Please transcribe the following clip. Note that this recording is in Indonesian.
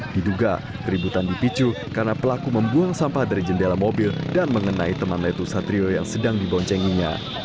diduga keributan dipicu karena pelaku membuang sampah dari jendela mobil dan mengenai teman letu satrio yang sedang diboncenginya